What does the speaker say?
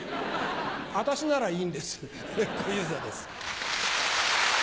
私ならいいんです小遊三です。